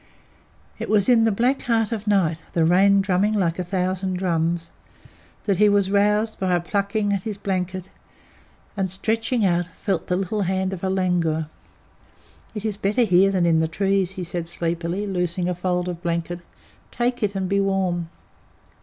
It was in the black heart of the night, the rain drumming like a thousand drums, that he was roused by a plucking at his blanket, and, stretching out, felt the little hand of a langur. "It is better here than in the trees," he said sleepily, loosening a fold of blanket; "take it and be warm."